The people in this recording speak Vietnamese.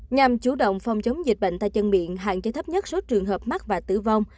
nhằm chủ động phòng chống dịch bệnh tay chân miệng hạn chế thấp nhất số trường hợp mắc và tử vong